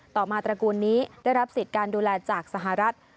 ต่อมาตระกูลนี้ได้รับสิทธิ์การดูแลจากสหรัฐ